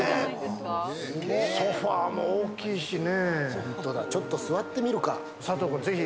ソファーも大きいしね。